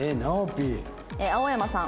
青山さん。